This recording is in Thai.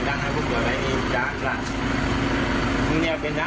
เดี๋ยววันนี้ได้ดินกับน้ำ